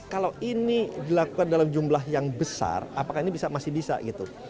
kalau ini dilakukan dalam jumlah yang besar apakah ini bisa masih bisa gitu